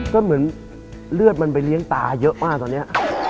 ก็เหมือนเลือดมันไปเลี้ยงตาเยอะมากตอนนี้